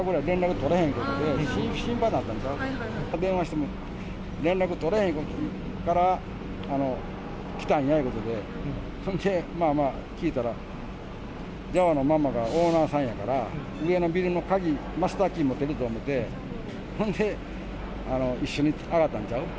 それで電話しても連絡取れへんから、来たんやいうことで、そんで、まあまあ、聞いたら、電話のママがオーナーさんやから、家のビルの鍵、マスターキー持ってきて、ほんで一緒に上がったんちゃう。